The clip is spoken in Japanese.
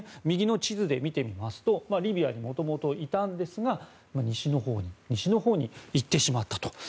右の地図で見てみますとリビアにもともといたんですが西のほうに西のほうに行ってしまったと。